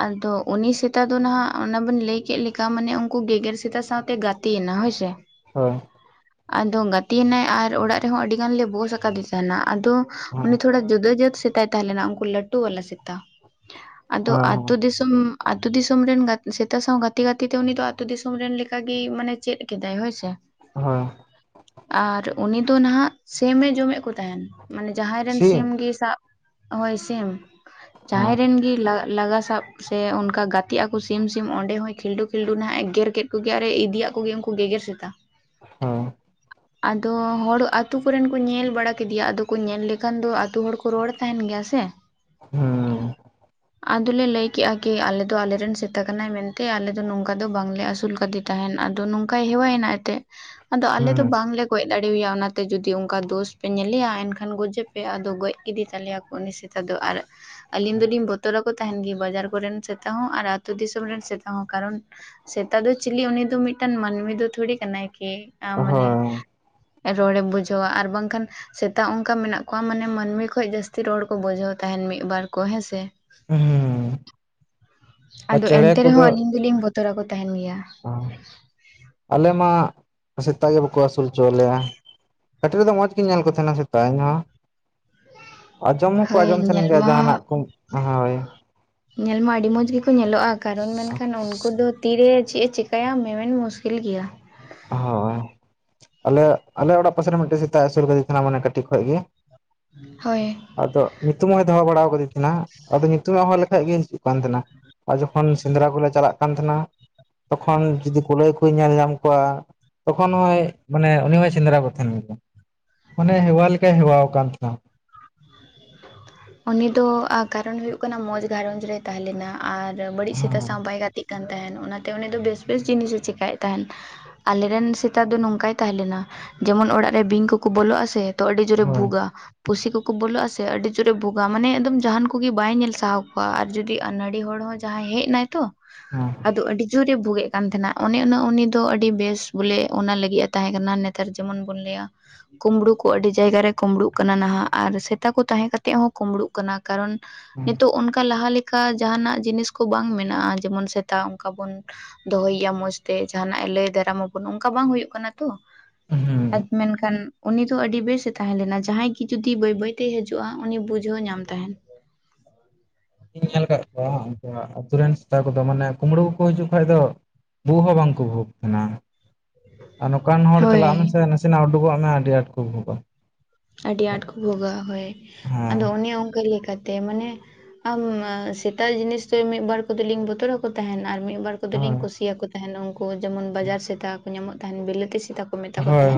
ᱟᱫᱚ ᱩᱱᱤ ᱥᱮᱛᱟ ᱫᱚ ᱱᱟᱦᱟᱜ ᱚᱱᱟ ᱵᱤᱱ ᱞᱟᱹᱭ ᱠᱮᱜ ᱞᱮ ᱛᱟ ᱢᱟᱱᱮ ᱩᱱᱠᱩ ᱜᱮᱜᱮᱨ ᱥᱮᱛᱟ ᱥᱟᱶᱛᱮᱭ ᱜᱟᱛᱮᱱᱟ ᱦᱳᱭᱥᱮ ᱦᱳᱭ ᱟᱫᱚ ᱜᱟᱛᱤᱱᱟᱭ ᱟᱨ ᱚᱲᱟᱜ ᱨᱮᱦᱚᱸ ᱟᱹᱰᱤ ᱜᱟᱱ ᱞᱮ ᱵᱳᱥ ᱟᱠᱟᱫᱤ ᱛᱟᱦᱮᱱᱟ ᱟᱫᱚ ᱦᱳᱭ ᱩᱱᱤ ᱛᱷᱚᱲᱟ ᱡᱩᱫᱟᱹ ᱡᱟᱹᱛ ᱥᱮᱛᱟᱭ ᱛᱟᱦᱮᱸ ᱞᱮᱱᱟ ᱩᱱᱠᱩ ᱞᱟᱹᱴᱩ ᱵᱟᱞᱟ ᱥᱮᱛᱟ ᱟᱫᱚ ᱦᱳᱭ ᱦᱳᱭ ᱟᱛᱳ ᱫᱤᱥᱚᱢ ᱟᱛᱳ ᱫᱤᱥᱚᱢ ᱨᱮᱱ ᱜᱟᱛ ᱥᱮᱛᱟ ᱥᱟᱶ ᱜᱟᱛ ᱛᱤ ᱜᱟᱛᱤ ᱜᱟᱛᱤ ᱛᱮ ᱩᱱᱤ ᱫᱚ ᱟᱛᱳ ᱫᱤᱥᱚᱢ ᱨᱮᱱ ᱞᱮᱠᱟᱜᱮᱭ ᱢᱟᱱᱮ ᱪᱮᱫ ᱠᱮᱫᱟᱭ ᱦᱳᱭᱥᱮ ᱦᱚᱸ ᱟᱨ ᱩᱱᱤ ᱫᱚ ᱱᱟᱦᱟᱜ ᱥᱤᱢᱮ ᱡᱚᱢᱮᱫ ᱠᱚ ᱛᱟᱦᱮᱸᱱ ᱢᱟᱱᱮ ᱡᱟᱦᱟᱸᱭ ᱨᱮᱱ ᱥᱤᱢ ᱜᱮ ᱥᱟᱵ ᱦᱳᱭ ᱥᱤᱢ ᱦᱳᱭ ᱡᱟᱦᱟᱸᱭ ᱨᱮᱱ ᱜᱮ ᱞᱟ ᱞᱟᱜᱟ ᱥᱟᱵ ᱥᱮ ᱚᱱᱠᱟ ᱜᱟᱛᱮᱜ ᱟᱠᱚ ᱥᱤᱢ ᱥᱤᱢ ᱚᱸᱰᱮ ᱦᱚᱸᱭ ᱠᱷᱤᱞᱰᱩ ᱠᱷᱤᱞᱰᱩ ᱱᱟᱦᱟᱜ ᱮ ᱜᱮᱨ ᱠᱮᱫ ᱠᱚᱜᱮ ᱟᱨᱮ ᱤᱫᱤᱭᱟᱜ ᱠᱚᱜᱮ ᱩᱱᱠᱩ ᱜᱮᱜᱮᱨ ᱥᱮᱛᱟ᱾ ᱦᱚᱸ ᱟᱫᱚ ᱦᱚᱲ ᱟᱛᱳ ᱠᱚᱨᱮᱱ ᱠᱚ ᱧᱮᱞ ᱵᱟᱲᱟ ᱠᱮᱫᱮᱭᱟ ᱟᱫᱚ ᱠᱚ ᱧᱮᱞ ᱞᱮᱠᱷᱟᱱ ᱫᱚ ᱟᱛᱳ ᱦᱚᱲ ᱠᱚ ᱨᱚᱲ ᱛᱟᱦᱮᱱ ᱜᱮᱭᱟ ᱥᱮ ᱦᱩᱸᱢ ᱟᱫᱚᱞᱮ ᱞᱟᱹᱭ ᱠᱮᱜᱼᱟ ᱠᱤ ᱟᱞᱮ ᱫᱚ ᱟᱞᱮᱨᱮᱱ ᱥᱮᱛᱟ ᱠᱟᱱᱟᱭ ᱢᱮᱱ ᱛᱮ ᱟᱞᱮᱫᱚ ᱫᱚ ᱱᱚᱝᱠᱟ ᱫᱚ ᱵᱟᱝᱞᱮ ᱟᱹᱥᱩᱞ ᱠᱟᱫᱮ ᱛᱟᱦᱮᱱ ᱟᱫᱚ ᱱᱚᱝᱠᱟᱭ ᱦᱮᱣᱟᱭᱮᱱᱟ [unintelligible] ᱟᱫᱚ ᱟᱞᱮ ᱫᱚ ᱦᱩᱸ ᱵᱟᱝᱞᱮ ᱜᱚᱡ ᱫᱟᱲᱮᱭᱟ ᱚᱱᱟᱛᱮ ᱡᱩᱫᱤ ᱚᱱᱠᱟ ᱫᱳᱥ ᱯᱮ ᱧᱮᱞᱮᱭᱟ ᱮᱱᱠᱷᱟᱱ ᱜᱚᱡᱮᱯᱮ ᱟᱫᱚ ᱜᱚᱡ ᱠᱮᱫᱮ ᱛᱟᱞᱮᱭᱟ ᱩᱱᱤ ᱥᱮᱛᱟ ᱫᱚ ᱟᱨ ᱟᱞᱤᱧ ᱫᱚᱞᱤᱧ ᱵᱚᱛᱚᱨ ᱟᱠᱚ ᱛᱟᱦᱮᱱ ᱜᱮ ᱵᱟᱡᱟᱨ ᱠᱚᱨᱮᱱ ᱥᱮᱛᱟ ᱦᱚᱸ ᱟᱨ ᱟᱹᱛᱩ ᱫᱤᱥᱚᱢ ᱨᱮᱱ ᱥᱮᱛ ᱛᱟ ᱦᱚᱸ ᱠᱟᱨᱚᱱ ᱥᱮᱛᱟ ᱫᱚ ᱪᱤᱞᱤ ᱩᱱᱤ ᱫᱚ ᱢᱤᱫᱴᱟᱝ ᱢᱟᱱᱢᱤ ᱫᱚ ᱛᱷᱚᱲᱤ ᱠᱟᱱᱟᱭ ᱠᱤ ᱟ ᱢᱟᱱᱮ ᱦᱳᱭ ᱨᱚᱲᱮ ᱵᱩᱡᱷᱟᱹᱣᱟ ᱟᱨ ᱵᱟᱝᱠᱷᱟᱱ᱾ ᱥᱮᱛᱟ ᱚᱱᱠᱟ ᱢᱮᱱᱟᱜ ᱠᱚᱣᱟ ᱢᱟᱱᱮ ᱢᱟᱹᱱᱢᱤ ᱠᱷᱚᱡ ᱡᱟᱹᱥᱛᱤ ᱨᱚᱲ ᱠᱚ ᱵᱩᱡᱷᱟᱹᱣ ᱛᱟᱦᱮᱱ ᱢᱤᱫᱵᱟᱨ ᱠᱚ ᱦᱮᱸᱥᱮ ᱦᱩᱸ ᱟᱨ ᱟᱫᱚ ᱪᱮᱬᱮ ᱮᱱᱛᱮ ᱠᱚᱫᱚ ᱨᱮᱦᱚᱸ ᱟᱹᱞᱤᱧ ᱫᱩᱞᱤᱧ ᱵᱚᱛᱚᱨ ᱟᱠᱚ ᱛᱟᱦᱮᱱ ᱜᱮᱭᱟ ᱟᱞᱮ ᱢᱟ ᱥᱮᱛᱟ ᱜᱮ ᱵᱟᱠᱚ ᱟᱹᱥᱩᱞ ᱦᱚᱪᱚᱣᱟᱞᱮᱭᱟ᱾ ᱠᱟᱹᱴᱤᱡ ᱨᱮᱫᱚ ᱢᱚᱸᱡᱽ ᱜᱤᱧ ᱧᱮᱞ ᱠᱚ ᱛᱟᱦᱮᱱᱟ ᱥᱮᱛᱟ ᱤᱧ ᱦᱚᱸ᱾ ᱟᱸᱡᱚᱢ ᱦᱚᱠᱚ ᱦᱳᱭ ᱟᱸᱡᱚᱢ ᱧᱮᱞ ᱛᱟᱦᱮᱱ ᱜᱮᱭᱟ ᱢᱟ ᱡᱟᱦᱱᱟᱜ ᱠᱚ ᱦᱚᱭ᱾ ᱧᱮᱞ ᱢᱟ ᱟᱹᱰᱤ ᱢᱚᱡᱽ ᱜᱮᱠᱚ ᱧᱮᱞᱚᱜᱼᱟ ᱠᱟᱨᱚᱱ ᱢᱮᱱᱠᱷᱟᱱ ᱩᱱᱠᱩ ᱩᱱᱠᱩ ᱫᱚ ᱛᱤ ᱨᱮ ᱪᱮᱜ ᱮ ᱪᱤᱠᱟᱭᱟ ᱢᱮ ᱢᱮᱱ ᱢᱩᱥᱠᱤᱞ ᱜᱮᱭᱟ᱾ ᱦᱚ ᱟᱞᱮ ᱟᱞᱮ ᱚᱲᱟᱜ ᱯᱟᱥᱮ ᱨᱮᱱ ᱦᱚ ᱢᱤᱫᱴᱟᱝ ᱥᱮᱛᱟ ᱮ ᱟᱹᱥᱩᱞ ᱠᱟᱫᱮ ᱛᱟᱦᱮ ᱱᱟ ᱢᱟᱱᱮ ᱠᱟᱹᱴᱤᱡ ᱠᱷᱚᱡ ᱜᱤ᱾ ᱦᱚᱭ ᱟᱫᱚ ᱧᱩᱛᱩᱢ ᱦᱚᱭ ᱫᱚᱦᱚ ᱵᱟᱲᱟ ᱠᱟᱫᱤ ᱛᱟᱦᱮ ᱱᱟ ᱟᱫᱚ ᱧᱩᱛᱩᱢ ᱮ ᱦᱚᱦᱚ ᱞᱮᱠᱷᱟᱡ ᱜᱤ ᱦᱤᱡᱩᱜ ᱠᱟᱱ ᱛᱟᱦᱮᱸᱱᱟ᱾ ᱟᱨ ᱡᱚᱠᱷᱚᱱ ᱥᱮᱸᱫᱽᱨᱟ ᱠᱚᱞᱮ ᱪᱟᱞᱟᱜ ᱠᱟᱱ ᱛᱟᱦᱮᱱᱟ᱾ ᱛᱚᱠᱷᱚᱱ ᱡᱚᱫᱤ ᱠᱩᱞᱟᱹᱭ ᱠᱩ ᱧᱮᱞ ᱧᱟᱢ ᱠᱚᱣᱟ ᱛᱚᱠᱷᱚᱱ ᱦᱚᱸᱭ ᱢᱟᱱᱮ ᱩᱱᱤ ᱦᱚᱭ ᱥᱮᱸᱫᱽᱨᱟ ᱠᱚ ᱛᱟᱦᱮᱱ ᱜᱮᱭᱟ, ᱢᱟᱱᱮ ᱦᱮᱣᱟ ᱞᱮᱠᱟᱭ ᱦᱮᱣᱟ ᱠᱟᱱ ᱛᱟᱦᱮᱱᱟ᱾ ᱩᱱᱤ ᱫᱚ ᱟ ᱠᱟᱨᱚᱱ ᱦᱩᱭᱩᱜ ᱠᱟᱱᱟ, ᱢᱚᱸᱡᱽ ᱜᱷᱟᱨᱚᱸᱡᱽ ᱨᱮᱭ ᱛᱟᱦᱮᱸ ᱞᱮᱱᱟ, ᱟᱨ ᱵᱟᱹᱲᱤᱡ ᱥᱮᱛᱟ ᱦᱳᱭ ᱥᱟᱶ ᱵᱟᱭ ᱜᱟᱛᱤᱜ ᱠᱟᱱ ᱛᱟᱦᱮᱱ, ᱚᱱᱟ ᱛᱮ ᱩᱱᱤ ᱫᱚ ᱵᱮᱥ ᱵᱮᱥ ᱡᱤᱱᱤᱥ ᱮ ᱪᱮᱟᱭᱮᱫ ᱛᱟᱦᱮᱱ ᱟᱞᱮ ᱨᱮᱱ ᱥᱮᱛᱟ ᱫᱚ ᱱᱚᱝᱠᱟᱭ ᱛᱟᱦᱮᱸ ᱞᱮᱱᱟ, ᱡᱮᱢᱚᱱ ᱚᱲᱟᱜ ᱨᱮ ᱵᱤᱧ ᱠᱚᱠᱚ ᱵᱚᱞᱚᱜᱼᱟ ᱥᱮ ᱛᱚ ᱟᱹᱰᱤ ᱡᱳᱨ ᱮ ᱦᱳᱭ ᱵᱷᱩᱜ-ᱟ, ᱯᱩᱥᱤ ᱠᱚ ᱠᱚ ᱵᱚᱞᱚᱜ ᱟ ᱥᱮ ᱟᱹᱰᱤ ᱡᱳᱨᱮ ᱮ ᱵᱷᱩᱜᱟ, ᱢᱟᱱᱮ ᱮᱠ ᱫᱚᱢ ᱡᱟᱦᱟᱱ ᱠᱚᱜᱮ ᱵᱟᱭ ᱧᱮᱞ ᱥᱟᱦᱟᱣ ᱠᱚᱣᱟ, ᱟᱨ ᱡᱩᱫᱤ ᱟᱹᱱᱟᱲᱤ ᱦᱚᱲ ᱦᱚᱸ ᱡᱟᱦᱟᱸᱭ ᱦᱮᱡ ᱱᱟᱭ ᱛᱚ, ᱦᱮᱸ ᱟᱫᱚ ᱟᱹᱰᱤ ᱡᱳᱨᱮ ᱵᱷᱩᱜᱮᱫ ᱠᱟᱱ ᱛᱟᱦᱮᱱᱟ, ᱚᱱᱮ ᱚᱱᱟ ᱩᱱᱤ ᱫᱚ ᱟᱹᱰᱤ ᱵᱮᱥ ᱵᱚᱞᱮ ᱚᱱᱟ ᱞᱟᱹᱜᱤᱫ ᱮ ᱛᱟᱦᱮᱸ ᱠᱟᱱᱟ᱾ ᱱᱮ ᱱᱮᱛᱟᱨ ᱡᱮᱢᱚᱱ ᱵᱚᱱ ᱞᱟᱹᱭᱟ, ᱠᱩᱢᱵᱽᱲᱩ ᱠᱚ ᱟᱹᱰᱤ ᱡᱟᱭᱜᱟ ᱨᱮ ᱠᱩᱢᱲᱩᱜ ᱠᱟᱱᱟ ᱱᱟᱦᱟᱜ, ᱟᱨ ᱥᱮᱛᱟ ᱠᱚ ᱛᱟᱦᱮᱸ ᱠᱟᱛ -ᱛᱮ ᱦᱚᱸ ᱠᱩᱢᱵᱽᱲᱩᱜ ᱠᱟᱱᱟ, ᱠᱟᱨᱚᱱ ᱱᱤᱛᱚᱜ ᱚᱱᱠᱟ ᱞᱟᱦᱟ ᱞᱮ -ᱠᱟ ᱡᱟᱦᱟᱱᱟᱜ ᱡᱤᱱᱤᱥ ᱠᱚ ᱵᱟᱝ ᱢᱮᱱᱟᱜᱼᱟ, ᱡᱮᱢᱚᱱ ᱥᱮᱛᱟ ᱚᱱᱠᱟ ᱵᱚᱱ ᱫᱚᱦᱚᱭ ᱮᱭᱟ ᱢᱚᱸᱡᱽ ᱛᱮ ᱡᱟᱦᱟ ᱱᱟᱜ ᱮ ᱞᱟᱹᱭ ᱫᱟᱨᱮ ᱢᱟᱵᱚᱱ, ᱚᱱᱠᱟ ᱵᱟᱝ ᱦᱩᱭᱩᱜ ᱠᱟᱱᱟ᱾ ᱛᱚ ᱦᱮᱸ ᱟᱨ ᱢᱮᱱᱠᱷᱟᱱ, ᱩᱱᱤ ᱫᱚ ᱟᱹᱰᱤ ᱵᱮᱥ ᱮ ᱛᱟᱦᱮᱸ ᱞᱮᱱᱟ᱾ ᱡᱟᱦᱟᱸᱭ ᱜᱮ ᱡᱩᱫᱤ ᱵᱟᱹᱭ ᱵᱟᱹᱭ ᱛᱮ, ᱦᱤᱡᱩᱜᱼᱟ ᱩᱱᱤ ᱵᱩᱡᱷᱟᱹᱣ ᱧᱟᱢ ᱛᱟᱦᱮᱱ᱾ ᱤᱧ ᱧᱮᱞ ᱟᱠᱟᱫ ᱠᱚᱣᱟ ᱟᱹᱛᱩ ᱨᱮᱱ ᱥᱮᱛᱟ ᱠᱚ ᱫᱚ, ᱢᱟᱱᱮ ᱠᱩᱢᱵᱽᱲᱩ ᱠᱚᱠᱚ ᱦᱤᱡᱩᱜ ᱠᱷᱟᱡ ᱫᱚ ᱵᱷᱩᱜ ᱦᱚᱸ ᱵᱟᱝ ᱠᱚ ᱵᱷᱩᱜ ᱛᱟᱦᱮᱱᱟ᱾ ᱟᱨ ᱱᱚᱠᱟᱱ ᱦᱚᱲ ᱦᱳᱭ ᱪᱟᱞᱟᱜ ᱢᱮᱥᱮ, ᱱᱟᱥᱮ ᱱᱟᱜ ᱩᱰᱩᱠᱚᱜ ᱢᱮ ᱟᱹᱰᱤ ᱟᱸᱴ ᱠᱚ ᱵᱷᱩᱜᱼᱟ᱾ ᱟᱹᱰᱤ ᱟᱸᱴ ᱠᱚ ᱵᱷᱚᱜᱟ, ᱦᱳᱭ ᱦᱮᱸ ᱟᱫᱚ ᱚᱱᱮ ᱚᱱᱠᱟ ᱞᱮ ᱠᱟ -ᱛᱮ ᱢᱟᱱᱮ ᱟᱢ ᱥᱮᱛᱟᱜ ᱡᱤᱱᱤᱥ, ᱫᱚ ᱢᱤᱫ ᱵᱟᱨ ᱠᱚᱫ ᱞᱤᱧ ᱵᱚᱛᱚᱨ ᱟᱠᱚ ᱠᱚ ᱛᱟᱦᱮᱱ ᱟᱨ ᱢᱤᱫ ᱵᱟᱨ ᱠᱚᱫᱚᱞᱤᱧ ᱦᱳᱭ ᱠᱩᱥᱤ ᱭᱟᱠᱚ ᱛᱟᱦᱮᱱ, ᱩᱱᱠᱩ ᱡᱮᱢᱚᱱ ᱵᱟᱡᱟᱨ ᱥᱮᱛᱟ ᱠᱚ ᱧᱟᱢᱚᱜ ᱛᱟᱦᱮᱱ, ᱵᱤᱞᱟᱹᱛᱤ ᱥᱮᱛᱟ ᱠᱚ ᱠᱚ ᱢᱮᱛᱟ ᱠᱚ ᱦᱳᱭ ᱛᱟᱦᱮᱫ᱾